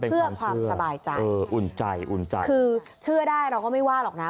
เพื่อความสบายใจคือเชื่อได้เราก็ไม่ว่าหรอกนะ